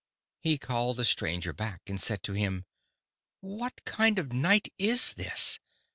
He called the stranger back, and said to him: 'What kind of a night is this?